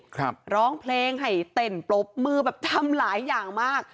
ร้องเพลงให้เต้นปรบมือแบบทำหลายอย่างมาก